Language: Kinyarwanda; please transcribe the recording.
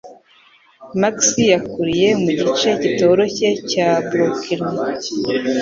Max yakuriye mu gice kitoroshye cya Brooklyn